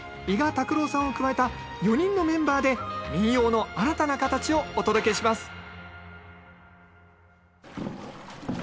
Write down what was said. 伊賀拓郎さんを加えた４人のメンバーで民謡の新たな形をお届けします